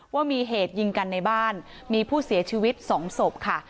ว่ามีเหตุยิงกันในบ้านมีผู้เสียชีวิต๒ศพค่ะ